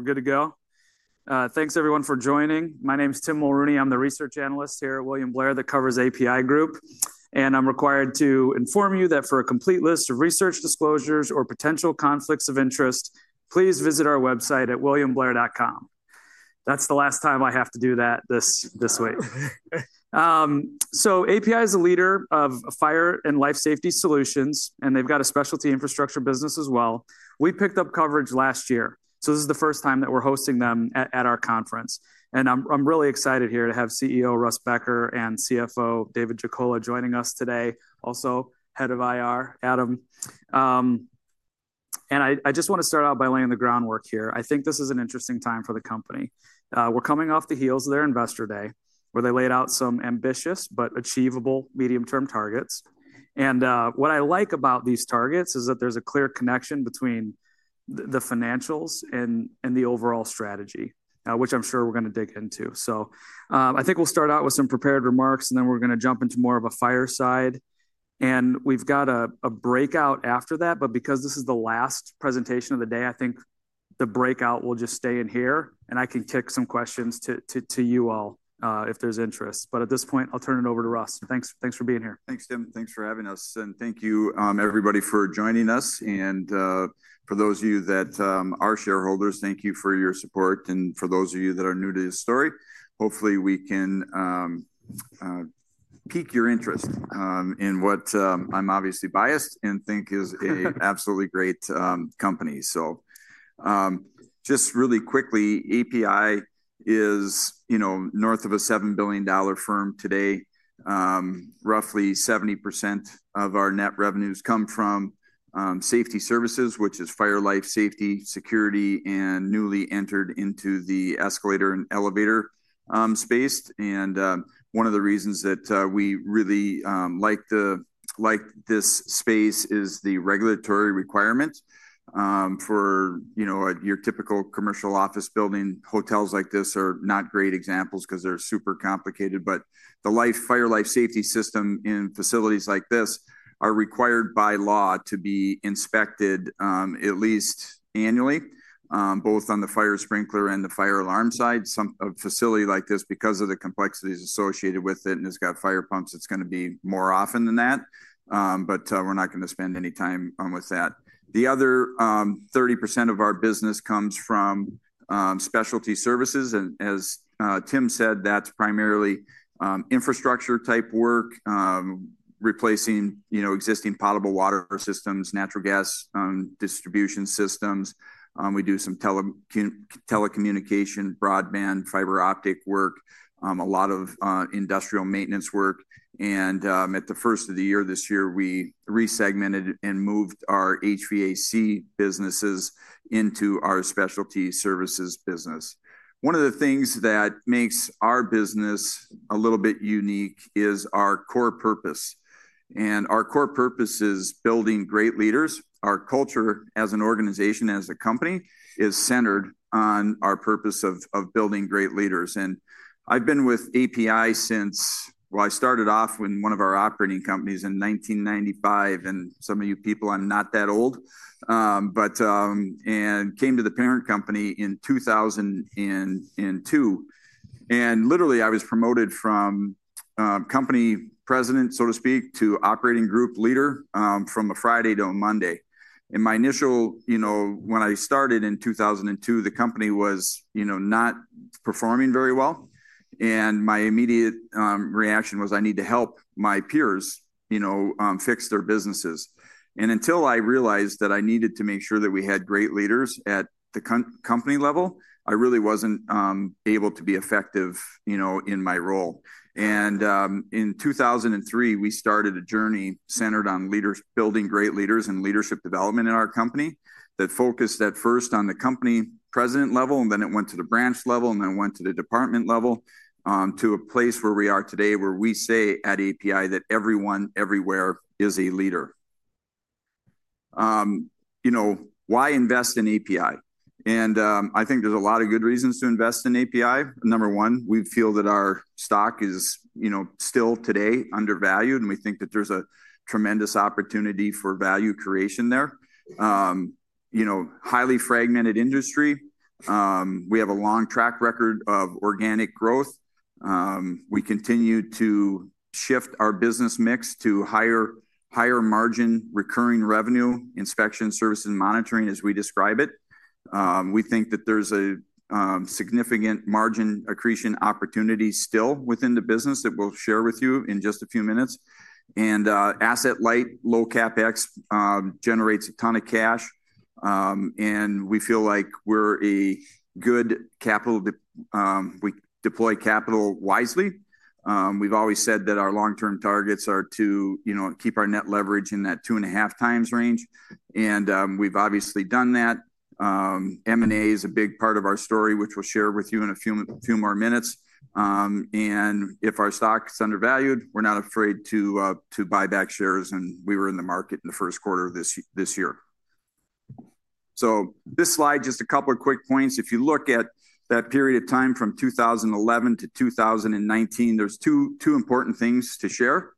We're good to go. Thanks, everyone, for joining. My name is Tim Mulrooney. I'm the research analyst here at William Blair, that covers APi Group. And I'm required to inform you that for a complete list of research disclosures or potential conflicts of interest, please visit our website at williamblair.com. That's the last time I have to do that this week. APi is a leader of fire and life safety solutions, and they've got a specialty infrastructure business as well. We picked up coverage last year. This is the first time that we're hosting them at our conference. I'm really excited here to have CEO Russ Becker and CFO David Jackola joining us today, also head of IR, Adam. I just want to start out by laying the groundwork here. I think this is an interesting time for the company. We're coming off the heels of their investor day, where they laid out some ambitious but achievable medium-term targets. What I like about these targets is that there's a clear connection between the financials and the overall strategy, which I'm sure we're going to dig into. I think we'll start out with some prepared remarks, and then we're going to jump into more of a fireside. We've got a breakout after that. Because this is the last presentation of the day, I think the breakout will just stay in here. I can kick some questions to you all if there's interest. At this point, I'll turn it over to Russ. Thanks for being here. Thanks, Tim. Thanks for having us. Thank you, everybody, for joining us. For those of you that are shareholders, thank you for your support. For those of you that are new to the story, hopefully, we can pique your interest in what I'm obviously biased and think is an absolutely great company. Just really quickly, APi is north of a $7 billion firm today. Roughly 70% of our net revenues come from safety services, which is fire, life, safety, security, and newly entered into the escalator and elevator space. One of the reasons that we really liked this space is the regulatory requirements. For your typical commercial office building, hotels like this are not great examples because they're super complicated. The fire, life safety system in facilities like this are required by law to be inspected at least annually, both on the fire sprinkler and the fire alarm side. A facility like this, because of the complexities associated with it and it's got fire pumps, it's going to be more often than that. We're not going to spend any time on with that. The other 30% of our business comes from specialty services. As Tim said, that's primarily infrastructure-type work, replacing existing potable water systems, natural gas distribution systems. We do some telecommunication, broadband, fiber optic work, a lot of industrial maintenance work. At the first of the year this year, we resegmented and moved our HVAC businesses into our specialty services business. One of the things that makes our business a little bit unique is our core purpose. Our core purpose is building great leaders. Our culture as an organization, as a company, is centered on our purpose of building great leaders. I've been with APi since I started off in one of our operating companies in 1995. Some of you people, I'm not that old. I came to the parent company in 2002. Literally, I was promoted from company president, so to speak, to operating group leader from a Friday to a Monday. My initial, when I started in 2002, the company was not performing very well. My immediate reaction was, I need to help my peers fix their businesses. Until I realized that I needed to make sure that we had great leaders at the company level, I really wasn't able to be effective in my role. In 2003, we started a journey centered on building great leaders and leadership development in our company that focused at first on the company president level. Then it went to the branch level. Then it went to the department level to a place where we are today, where we say at APi that everyone everywhere is a leader. Why invest in APi? I think there's a lot of good reasons to invest in APi. Number one, we feel that our stock is still today undervalued. We think that there's a tremendous opportunity for value creation there. Highly fragmented industry. We have a long track record of organic growth. We continue to shift our business mix to higher margin, recurring revenue, inspection services, and monitoring, as we describe it. We think that there's a significant margin accretion opportunity still within the business that we'll share with you in just a few minutes. Asset light, low CapEx generates a ton of cash. We feel like we're a good capital, we deploy capital wisely. We've always said that our long-term targets are to keep our net leverage in that two and one-half times range. We've obviously done that. M&A is a big part of our story, which we'll share with you in a few more minutes. If our stock is undervalued, we're not afraid to buy back shares. We were in the market in the first quarter of this year. This slide, just a couple of quick points. If you look at that period of time from 2011 to 2019, there's two important things to share.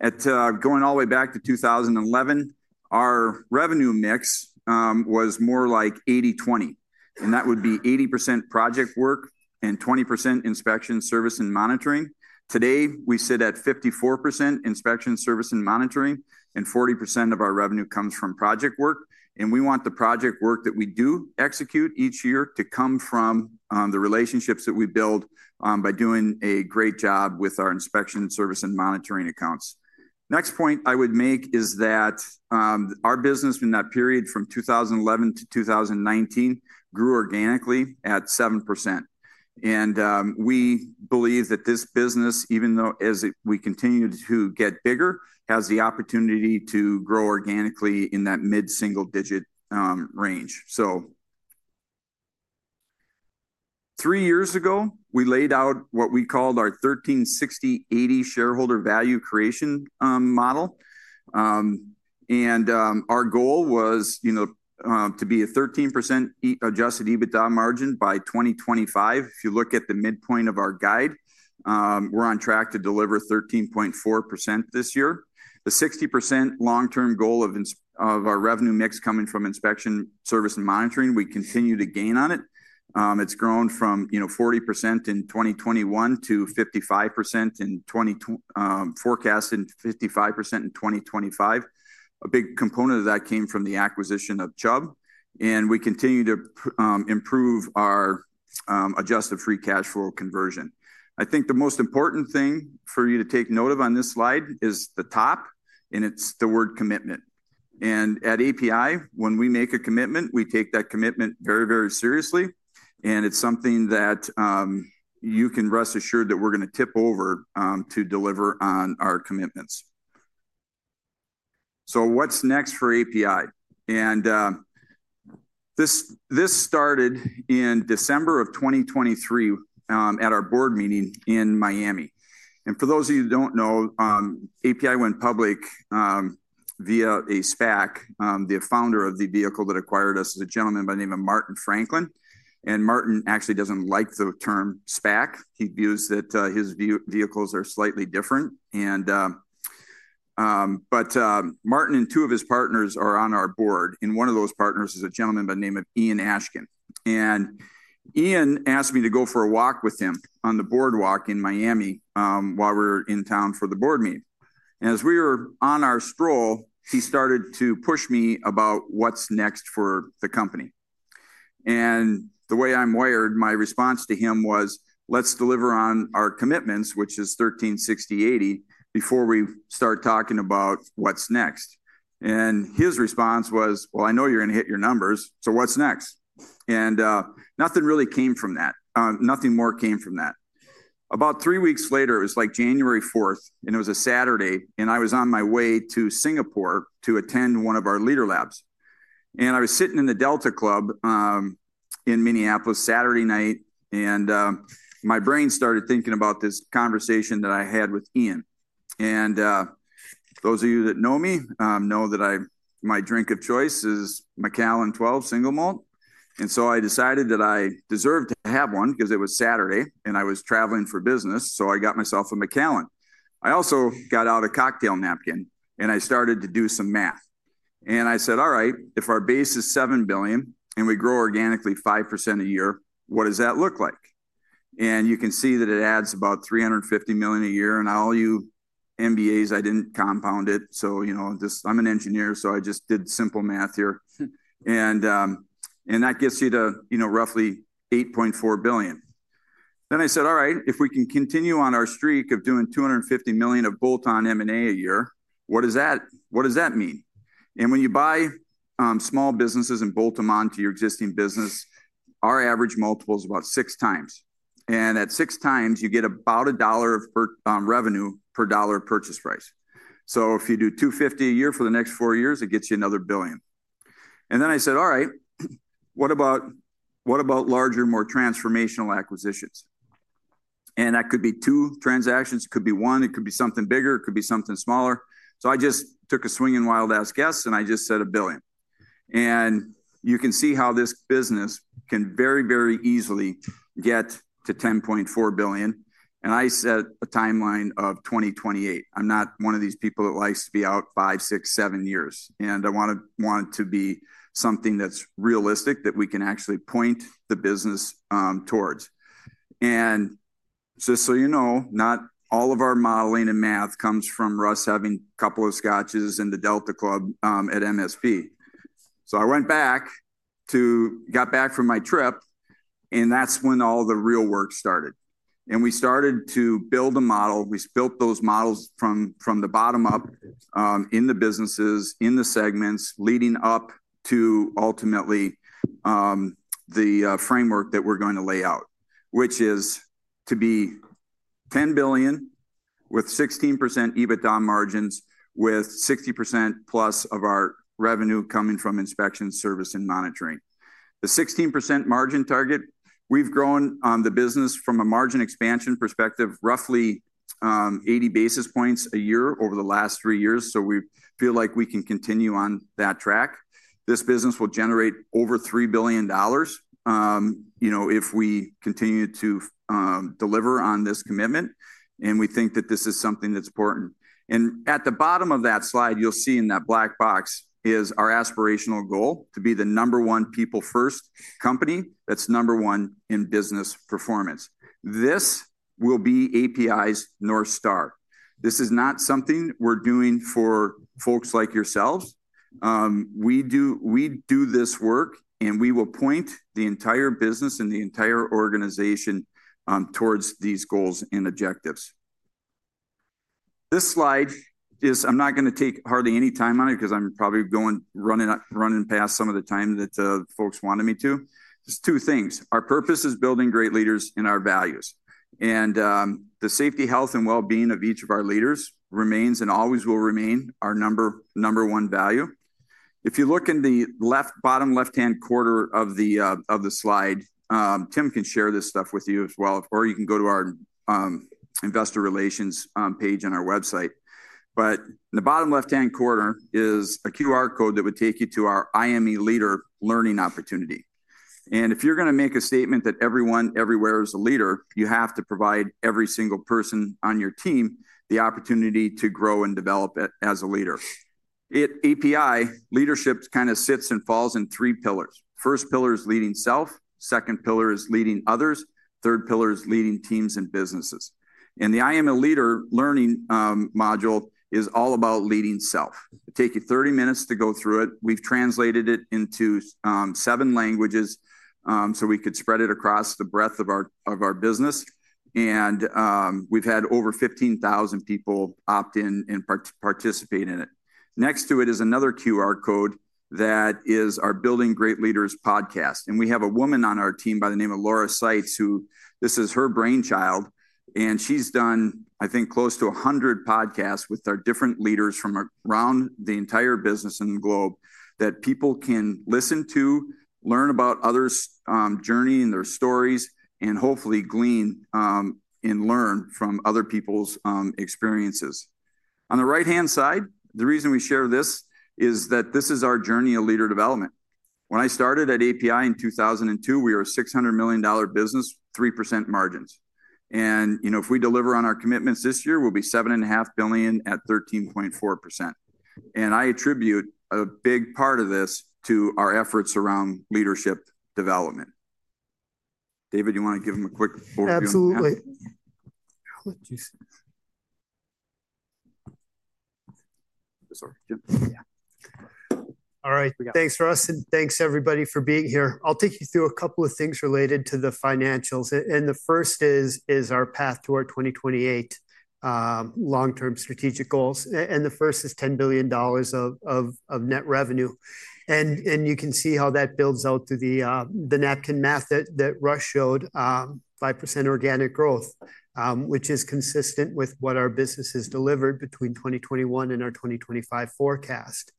Going all the way back to 2011, our revenue mix was more like 80/20. That would be 80% project work and 20% inspection service and monitoring. Today, we sit at 54% inspection service and monitoring. 40% of our revenue comes from project work. We want the project work that we do execute each year to come from the relationships that we build by doing a great job with our inspection service and monitoring accounts. The next point I would make is that our business in that period from 2011 to 2019 grew organically at 7%. We believe that this business, even though as we continue to get bigger, has the opportunity to grow organically in that mid single-digit range. Three years ago, we laid out what we called our 1360/80 shareholder value creation model. Our goal was to be a 13% adjusted EBITDA margin by 2025. If you look at the midpoint of our guide, we're on track to deliver 13.4% this year. The 60% long-term goal of our revenue mix coming from inspection service and monitoring, we continue to gain on it. It's grown from 40% in 2021 to 55% forecast in 2025. A big component of that came from the acquisition of Chubb. We continue to improve our adjusted free cash flow conversion. I think the most important thing for you to take note of on this slide is the top. It's the word commitment. At APi, when we make a commitment, we take that commitment very, very seriously. It's something that you can rest assured that we're going to tip over to deliver on our commitments. What's next for APi? This started in December of 2023 at our board meeting in Miami. For those of you who do not know, APi went public via a SPAC. The founder of the vehicle that acquired us is a gentleman by the name of Martin Franklin. Martin actually does not like the term SPAC. He views that his vehicles are slightly different. Martin and two of his partners are on our board. One of those partners is a gentleman by the name of Ian Ashkin. Ian asked me to go for a walk with him on the boardwalk in Miami while we were in town for the board meeting. As we were on our stroll, he started to push me about what is next for the company. The way I am wired, my response to him was, let's deliver on our commitments, which is 1360/80, before we start talking about what is next. His response was, I know you're going to hit your numbers. What is next? Nothing really came from that. Nothing more came from that. About three weeks later, it was January 4th. It was a Saturday. I was on my way to Singapore to attend one of our leader labs. I was sitting in the Delta Club in Minneapolis Saturday night. My brain started thinking about this conversation that I had with Ian. Those of you that know me know that my drink of choice is Macallan 12 SingleMalt. I decided that I deserved to have one because it was Saturday. I was traveling for business. I got myself a Macallan. I also got out a cocktail napkin. I started to do some math. I said, all right, if our base is $7 billion and we grow organically 5% a year, what does that look like? You can see that it adds about $350 million a year. All you MBAs, I did not compound it. I am an engineer, so I just did simple math here. That gets you to roughly $8.4 billion. I said, all right, if we can continue on our streak of doing $250 million of bolt-on M&A a year, what does that mean? When you buy small businesses and bolt them onto your existing business, our average multiple is about six times. At six times, you get about a dollar of revenue per dollar purchase price. If you do $250 million a year for the next four years, it gets you another billion. I said, all right, what about larger, more transformational acquisitions? That could be two transactions. It could be one. It could be something bigger. It could be something smaller. I just took a swing and wild ass guess. I just said a billion. You can see how this business can very, very easily get to $10.4 billion. I set a timeline of 2028. I'm not one of these people that likes to be out five, six, seven years. I want it to be something that's realistic that we can actually point the business towards. Just so you know, not all of our modeling and math comes from Russ having a couple of scotches in the Delta Club at MSP. I went back, got back from my trip. That's when all the real work started. We started to build a model. We built those models from the bottom up in the businesses, in the segments, leading up to ultimately the framework that we are going to lay out, which is to be $10 billion with 16% EBITDA margins, with 60% plus of our revenue coming from inspection service and monitoring. The 16% margin target, we have grown on the business from a margin expansion perspective, roughly 80 basis points a year over the last three years. We feel like we can continue on that track. This business will generate over $3 billion if we continue to deliver on this commitment. We think that this is something that is important. At the bottom of that slide, you will see in that black box is our aspirational goal to be the number one people-first company that is number one in business performance. This will be APi's North Star. This is not something we're doing for folks like yourselves. We do this work. We will point the entire business and the entire organization towards these goals and objectives. This slide is, I'm not going to take hardly any time on it because I'm probably running past some of the time that folks wanted me to. There are two things. Our purpose is building great leaders and our values. The safety, health, and well-being of each of our leaders remains and always will remain our number one value. If you look in the bottom left-hand corner of the slide, Tim can share this stuff with you as well. You can go to our investor relations page on our website. In the bottom left-hand corner is a QR code that would take you to our IME leader learning opportunity. If you're going to make a statement that everyone everywhere is a leader, you have to provide every single person on your team the opportunity to grow and develop as a leader. APi leadership kind of sits and falls in three pillars. First pillar is leading self. Second pillar is leading others. Third pillar is leading teams and businesses. The IME leader learning module is all about leading self. It'll take you 30 minutes to go through it. We've translated it into seven languages so we could spread it across the breadth of our business. We've had over 15,000 people opt in and participate in it. Next to it is another QR code that is our Building Great Leaders podcast. We have a woman on our team by the name of Laura Sykes who this is her brainchild. She's done, I think, close to 100 podcasts with our different leaders from around the entire business and globe that people can listen to, learn about others' journey and their stories, and hopefully glean and learn from other people's experiences. On the right-hand side, the reason we share this is that this is our journey of leader development. When I started at APi in 2002, we were a $600 million business, 3% margins. If we deliver on our commitments this year, we'll be $7.5 billion at 13.4%. I attribute a big part of this to our efforts around leadership development. David, do you want to give them a quick overview? Absolutely. Sorry. Yeah. All right. Thanks, Russ. Thanks, everybody, for being here. I'll take you through a couple of things related to the financials. The first is our path to our 2028 long-term strategic goals. The first is $10 billion of net revenue. You can see how that builds out to the napkin math that Russ showed, 5% organic growth, which is consistent with what our business has delivered between 2021 and our 2025 forecast.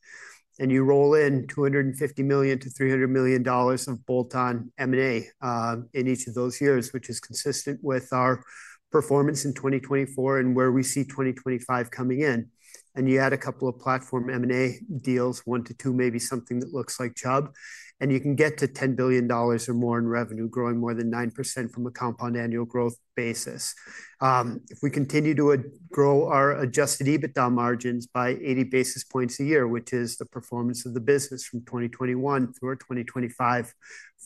You roll in $250 million-$300 million of bolt-on M&A in each of those years, which is consistent with our performance in 2024 and where we see 2025 coming in. You add a couple of platform M&A deals, one to two, maybe something that looks like Chubb. You can get to $10 billion or more in revenue, growing more than 9% from a compound annual growth basis. If we continue to grow our adjusted EBITDA margins by 80 basis points a year, which is the performance of the business from 2021 through our 2025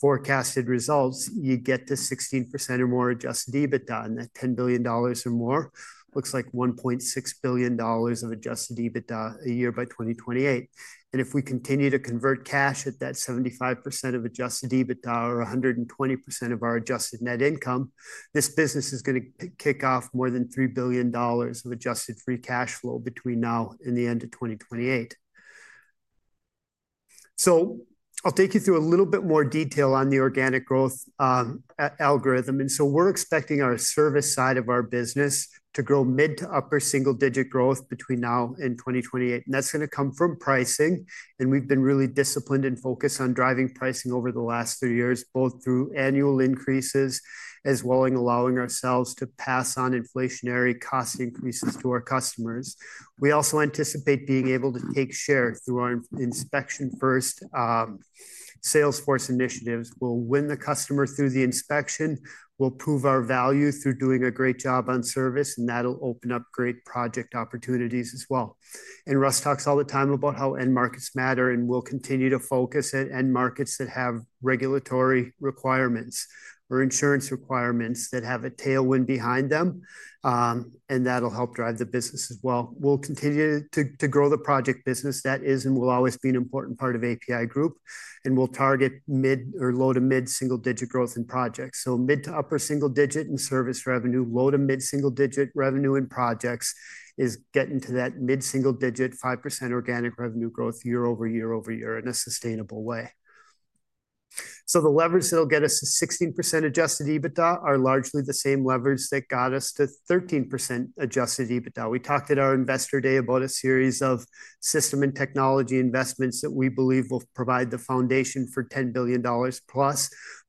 forecasted results, you get to 16% or more adjusted EBITDA. That $10 billion or more looks like $1.6 billion of adjusted EBITDA a year by 2028. If we continue to convert cash at that 75% of adjusted EBITDA or 120% of our adjusted net income, this business is going to kick off more than $3 billion of adjusted free cash flow between now and the end of 2028. I'll take you through a little bit more detail on the organic growth algorithm. We're expecting our service side of our business to grow mid to upper single-digit growth between now and 2028. That's going to come from pricing. We have been really disciplined and focused on driving pricing over the last three years, both through annual increases as well as allowing ourselves to pass on inflationary cost increases to our customers. We also anticipate being able to take share through our inspection-first Salesforce initiatives. We will win the customer through the inspection. We will prove our value through doing a great job on service. That will open up great project opportunities as well. Russ talks all the time about how end markets matter. We will continue to focus at end markets that have regulatory requirements or insurance requirements that have a tailwind behind them. That will help drive the business as well. We will continue to grow the project business. That is and will always be an important part of APi Group. We will target mid or low to mid single-digit growth in projects. Mid to upper single-digit in service revenue, low to mid single-digit revenue in projects is getting to that mid single-digit 5% organic revenue growth year over year over year in a sustainable way. The levers that'll get us to 16% adjusted EBITDA are largely the same levers that got us to 13% adjusted EBITDA. We talked at our investor day about a series of system and technology investments that we believe will provide the foundation for $10 billion+,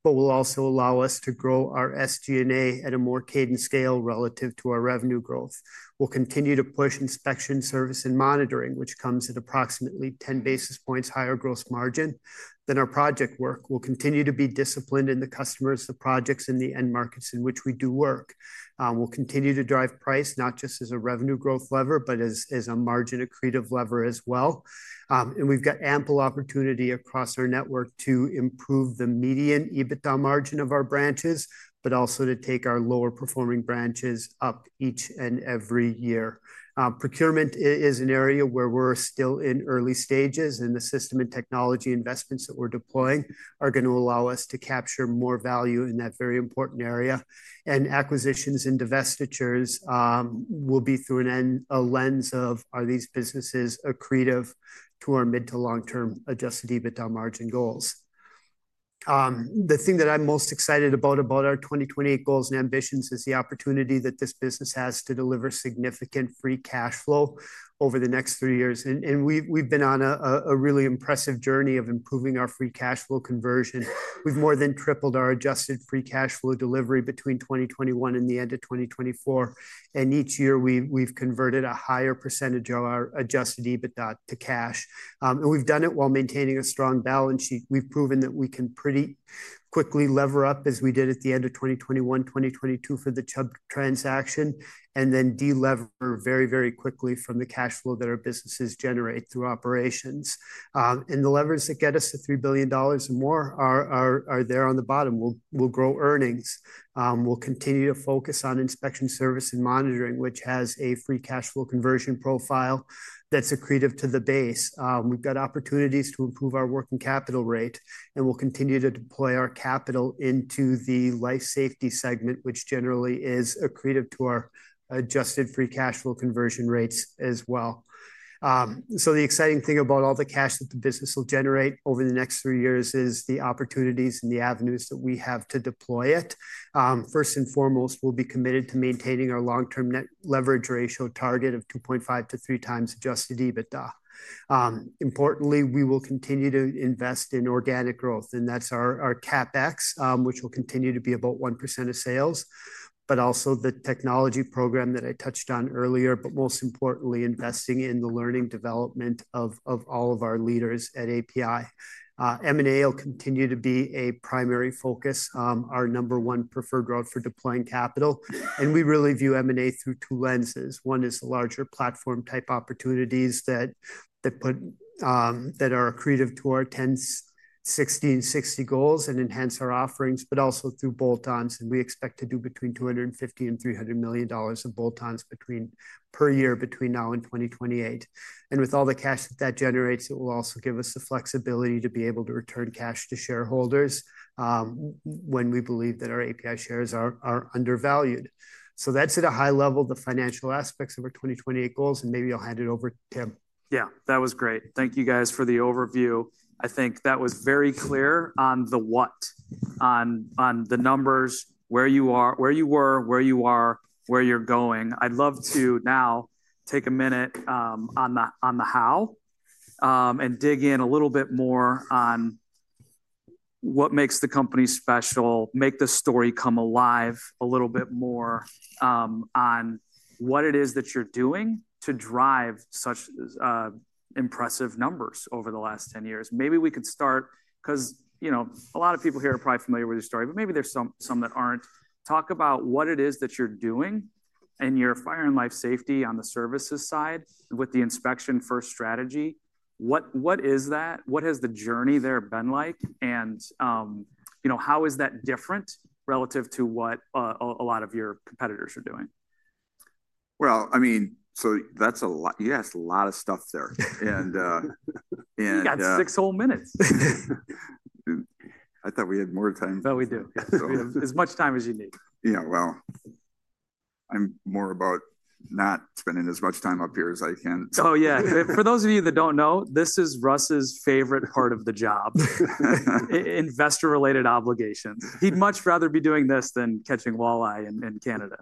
but will also allow us to grow our SG&A at a more cadence scale relative to our revenue growth. We'll continue to push inspection, service, and monitoring, which comes at approximately 10 basis points higher gross margin than our project work. We'll continue to be disciplined in the customers, the projects, and the end markets in which we do work. We'll continue to drive price not just as a revenue growth lever, but as a margin accretive lever as well. We have ample opportunity across our network to improve the median EBITDA margin of our branches, but also to take our lower performing branches up each and every year. Procurement is an area where we're still in early stages. The system and technology investments that we're deploying are going to allow us to capture more value in that very important area. Acquisitions and divestitures will be through a lens of, are these businesses accretive to our mid to long-term adjusted EBITDA margin goals? The thing that I'm most excited about about our 2028 goals and ambitions is the opportunity that this business has to deliver significant free cash flow over the next three years. We have been on a really impressive journey of improving our free cash flow conversion. We have more than tripled our adjusted free cash flow delivery between 2021 and the end of 2024. Each year, we have converted a higher percentage of our adjusted EBITDA to cash. We have done it while maintaining a strong balance sheet. We have proven that we can pretty quickly lever up as we did at the end of 2021, 2022 for the Chubb transaction, and then de-lever very, very quickly from the cash flow that our businesses generate through operations. The levers that get us to $3 billion or more are there on the bottom. We will grow earnings. We will continue to focus on inspection, service, and monitoring, which has a free cash flow conversion profile that is accretive to the base. We have opportunities to improve our working capital rate. We will continue to deploy our capital into the life safety segment, which generally is accretive to our adjusted free cash flow conversion rates as well. The exciting thing about all the cash that the business will generate over the next three years is the opportunities and the avenues that we have to deploy it. First and foremost, we will be committed to maintaining our long-term net leverage ratio target of 2.5-3 times adjusted EBITDA. Importantly, we will continue to invest in organic growth. That is our Capex, which will continue to be about 1% of sales, but also the technology program that I touched on earlier, but most importantly, investing in the learning development of all of our leaders at API. M&A will continue to be a primary focus, our number one preferred route for deploying capital. We really view M&A through two lenses. One is the larger platform-type opportunities that are accretive to our 10, 16, 60 goals and enhance our offerings, but also through bolt-ons. We expect to do between $250 million and $300 million of bolt-ons per year between now and 2028. With all the cash that that generates, it will also give us the flexibility to be able to return cash to shareholders when we believe that our APi shares are undervalued. That is at a high level, the financial aspects of our 2028 goals. Maybe I'll hand it over to Tim. Yeah. That was great. Thank you, guys, for the overview. I think that was very clear on the what, on the numbers, where you were, where you are, where you're going. I'd love to now take a minute on the how and dig in a little bit more on what makes the company special, make the story come alive a little bit more on what it is that you're doing to drive such impressive numbers over the last 10 years. Maybe we could start because a lot of people here are probably familiar with your story, but maybe there's some that aren't. Talk about what it is that you're doing in your fire and life safety on the services side with the inspection-first strategy. What is that? What has the journey there been like? And how is that different relative to what a lot of your competitors are doing? I mean, that's a lot. You asked a lot of stuff there. Got six whole minutes. I thought we had more time. I thought we did. As much time as you need. Yeah. I'm more about not spending as much time up here as I can. Oh, yeah. For those of you that don't know, this is Russ's favorite part of the job, investor-related obligations. He'd much rather be doing this than catching walleye in Canada.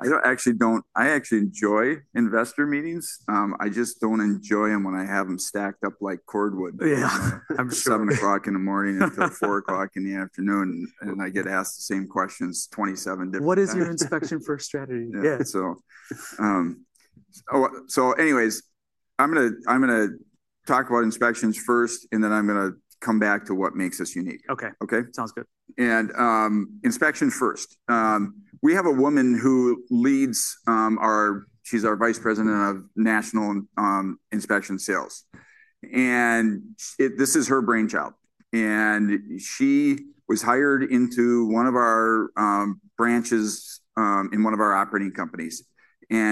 I actually enjoy investor meetings. I just don't enjoy them when I have them stacked up like cordwood. Yeah. I'm sure. 7:00 A.M. until 4:00 P.M. And I get asked the same questions 27 different times. What is your inspection-first strategy? Yeah. Anyways, I'm going to talk about inspections first, and then I'm going to come back to what makes us unique. Okay. Okay? Sounds good. And inspection first. We have a woman who leads our—she's our Vice President of National Inspection Sales. And this is her brainchild. She was hired into one of our branches in one of our operating companies.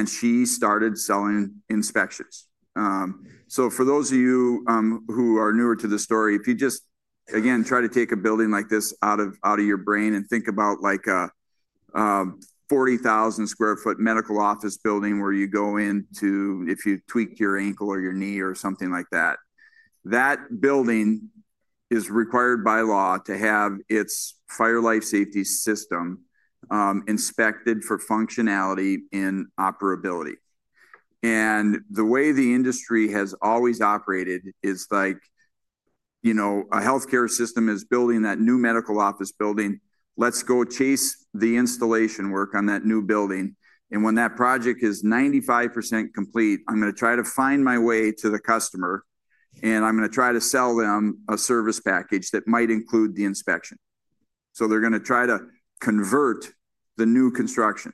She started selling inspections. For those of you who are newer to the story, if you just, again, try to take a building like this out of your brain and think about like a 40,000 sq ft medical office building where you go into if you tweak your ankle or your knee or something like that, that building is required by law to have its fire and life safety system inspected for functionality and operability. The way the industry has always operated is like a healthcare system is building that new medical office building. Let's go chase the installation work on that new building. When that project is 95% complete, I'm going to try to find my way to the customer. I'm going to try to sell them a service package that might include the inspection. They're going to try to convert the new construction.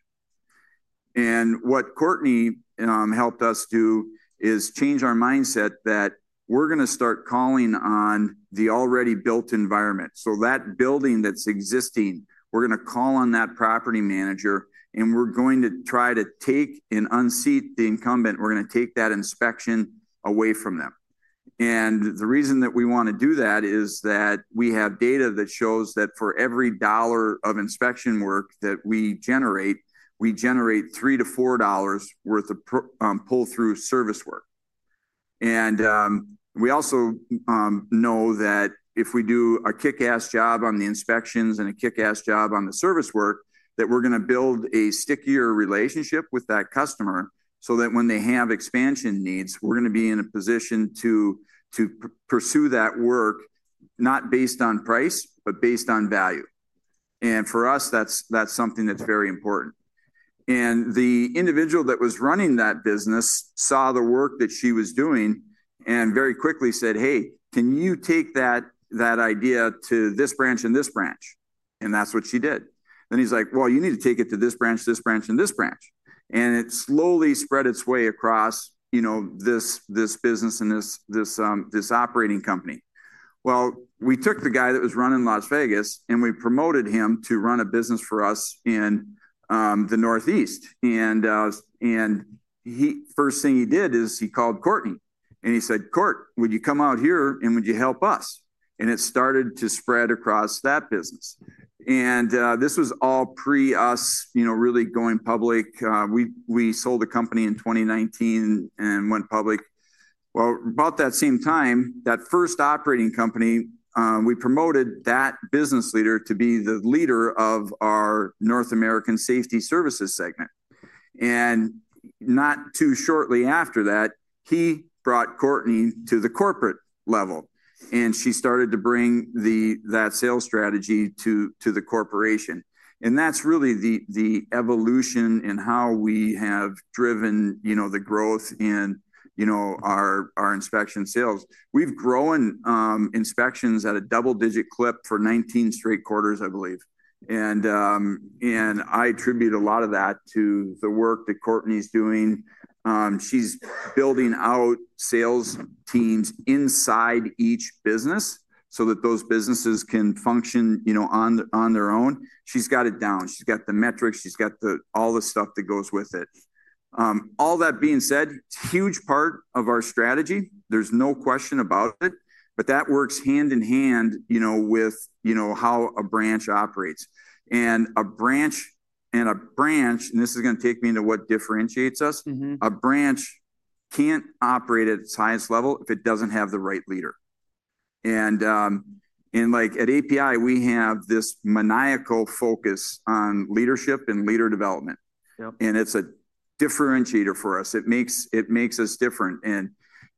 What Courtney helped us do is change our mindset that we're going to start calling on the already built environment. That building that's existing, we're going to call on that property manager. We're going to try to take and unseat the incumbent. We're going to take that inspection away from them. The reason that we want to do that is that we have data that shows that for every dollar of inspection work that we generate, we generate $3-$4 worth of pull-through service work. We also know that if we do a kick-ass job on the inspections and a kick-ass job on the service work, we are going to build a stickier relationship with that customer so that when they have expansion needs, we are going to be in a position to pursue that work not based on price, but based on value. For us, that is something that is very important. The individual that was running that business saw the work that she was doing and very quickly said, "Hey, can you take that idea to this branch and this branch?" That is what she did. He is like, "You need to take it to this branch, this branch, and this branch." It slowly spread its way across this business and this operating company. We took the guy that was running Las Vegas, and we promoted him to run a business for us in the Northeast. The first thing he did is he called Courtney. He said, "Court, would you come out here and would you help us?" It started to spread across that business. This was all pre us really going public. We sold the company in 2019 and went public. About that same time, that first operating company, we promoted that business leader to be the leader of our North American Safety Services segment. Not too shortly after that, he brought Courtney to the corporate level. She started to bring that sales strategy to the corporation. That is really the evolution in how we have driven the growth in our inspection sales. We have grown inspections at a double-digit clip for 19 straight quarters, I believe. I attribute a lot of that to the work that Courtney's doing. She's building out sales teams inside each business so that those businesses can function on their own. She's got it down. She's got the metrics. She's got all the stuff that goes with it. All that being said, huge part of our strategy, there's no question about it. That works hand in hand with how a branch operates. A branch—and this is going to take me into what differentiates us—a branch can't operate at its highest level if it doesn't have the right leader. At APi, we have this maniacal focus on leadership and leader development. It's a differentiator for us. It makes us different.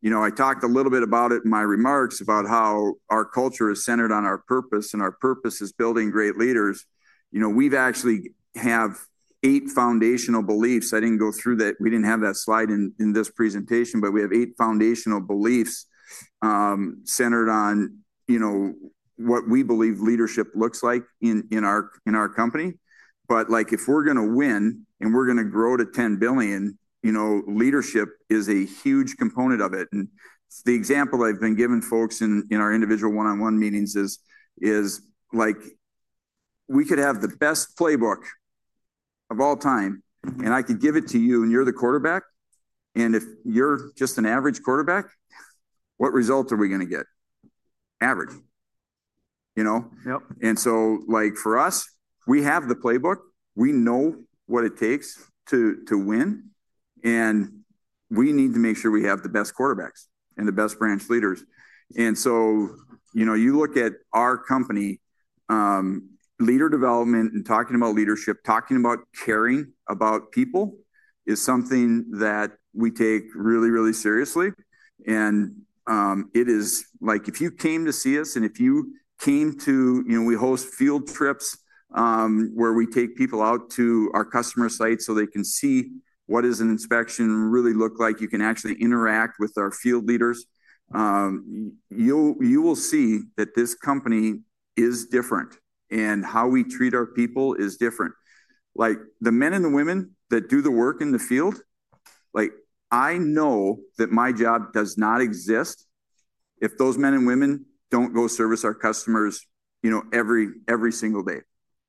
I talked a little bit about it in my remarks about how our culture is centered on our purpose, and our purpose is building great leaders. We actually have eight foundational beliefs. I did not go through that. We did not have that slide in this presentation, but we have eight foundational beliefs centered on what we believe leadership looks like in our company. If we are going to win and we are going to grow to $10 billion, leadership is a huge component of it. The example I have been giving folks in our individual one-on-one meetings is we could have the best playbook of all time, and I could give it to you, and you are the quarterback. If you are just an average quarterback, what result are we going to get? Average. For us, we have the playbook. We know what it takes to win. We need to make sure we have the best quarterbacks and the best branch leaders. You look at our company, leader development and talking about leadership, talking about caring about people is something that we take really, really seriously. It is like if you came to see us and if you came to—we host field trips where we take people out to our customer site so they can see what does an inspection really look like. You can actually interact with our field leaders. You will see that this company is different and how we treat our people is different. The men and the women that do the work in the field, I know that my job does not exist if those men and women do not go service our customers every single day.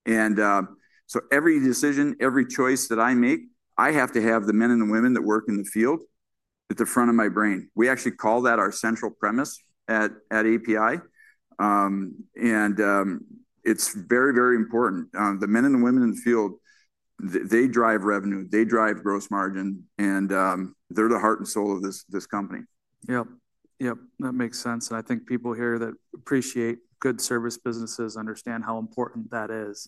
Every decision, every choice that I make, I have to have the men and the women that work in the field at the front of my brain. We actually call that our central premise at APi. It is very, very important. The men and the women in the field, they drive revenue. They drive gross margin. They are the heart and soul of this company. Yep. Yep. That makes sense. I think people here that appreciate good service businesses understand how important that is.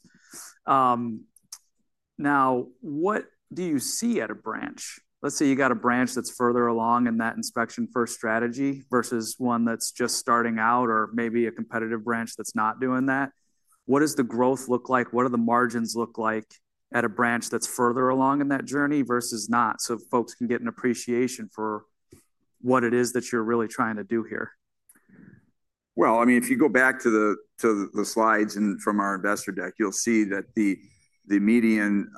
Now, what do you see at a branch? Let's say you got a branch that is further along in that inspection-first strategy versus one that is just starting out or maybe a competitive branch that is not doing that. What does the growth look like? What do the margins look like at a branch that is further along in that journey versus not so folks can get an appreciation for what it is that you are really trying to do here? If you go back to the slides and from our investor deck, you'll see that the median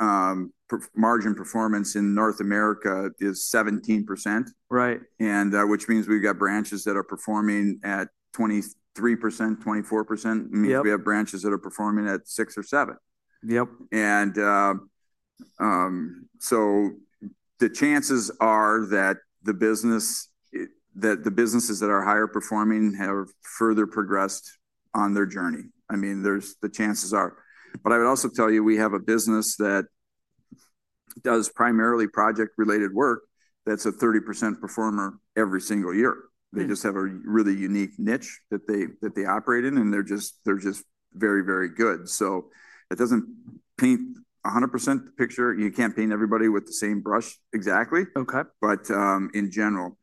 margin performance in North America is 17%, which means we've got branches that are performing at 23%, 24%. I mean, we have branches that are performing at six or seven. The chances are that the businesses that are higher performing have further progressed on their journey. I mean, the chances are. I would also tell you we have a business that does primarily project-related work that's a 30% performer every single year. They just have a really unique niche that they operate in, and they're just very, very good. It does not paint 100% the picture. You can't paint everybody with the same brush exactly, but in general.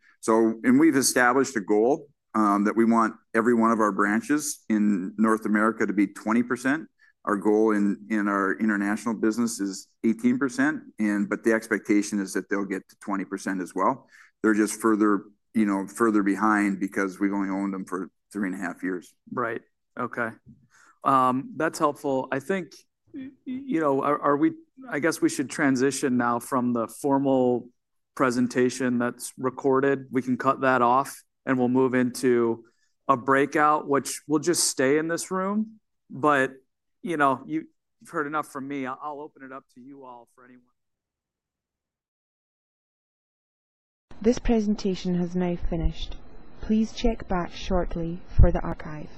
We've established a goal that we want every one of our branches in North America to be 20%. Our goal in our international business is 18%, but the expectation is that they'll get to 20% as well. They're just further behind because we've only owned them for three and a half years. Right. Okay. That's helpful. I think, I guess we should transition now from the formal presentation that's recorded. We can cut that off, and we'll move into a breakout, which we'll just stay in this room. But you've heard enough from me. I'll open it up to you all for anyone. This presentation has now finished. Please check back shortly for the archive.